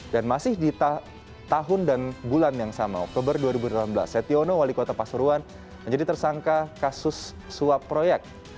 dan masih di tahun dan bulan yang sama oktober dua ribu delapan belas setiono wali kota pasuruan menjadi tersangka kasus suap proyek